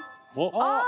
ああ！